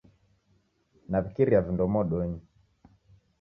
Naw'ikiria vindo modonyi